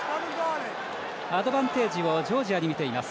アドバンテージをジョージアに見ています。